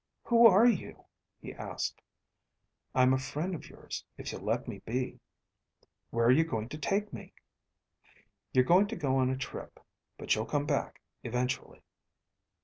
"Who are you?" he asked. "I'm a friend of yours if you'll let me be." "Where are you going to take me?" "You're going to go on a trip. But you'll come back, eventually."